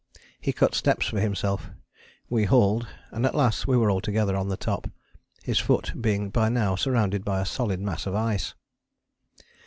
He cut steps for himself, we hauled, and at last we were all together on the top his foot being by now surrounded by a solid mass of ice.